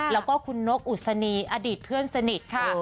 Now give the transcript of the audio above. แล้วก็คุณนกอุศนีอดีตเพื่อนสนิทค่ะ